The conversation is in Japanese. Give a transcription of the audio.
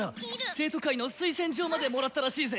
生徒会の推薦状までもらったらしいぜ。